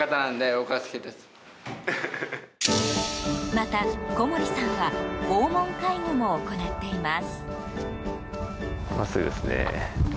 また、小森さんは訪問介護も行っています。